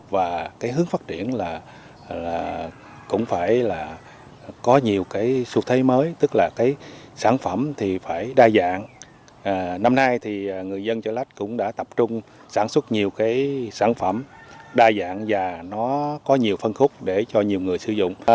và cái hướng phát triển là cũng phải là có nhiều cái xu thế mới tức là cái sản phẩm thì phải đa dạng năm nay thì người dân chợ lách cũng đã tập trung sản xuất nhiều cái sản phẩm đa dạng và nó có nhiều phân khúc để cho nhiều người sử dụng